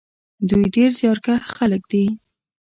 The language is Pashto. دوی ډېر زیارکښ خلک دي.